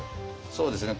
そうですね